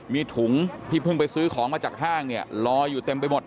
มีถุงที่เพิ่งไปซื้อของมาจากห้างเนี่ยลอยอยู่เต็มไปหมด